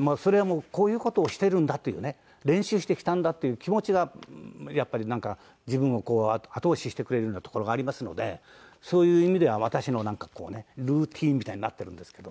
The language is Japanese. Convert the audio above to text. もうそれはこういう事をしてるんだっていうね練習してきたんだっていう気持ちがやっぱりなんか自分を後押ししてくれるようなところがありますのでそういう意味では私のなんかこうねルーチンみたいになってるんですけど。